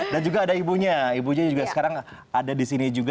dan juga ada ibunya ibunya juga sekarang ada di sini juga